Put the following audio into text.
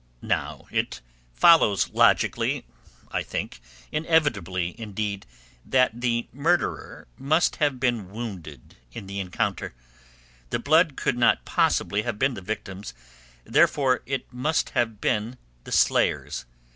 "Now it follows logically, I think, inevitably indeed, that the murderer must have been wounded in the encounter. The blood could not possibly have been the victim's, therefore it must have been the slayer's.